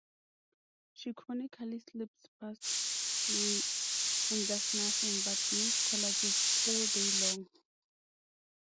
She chronically sleeps past noon and does nothing but make collages all day long.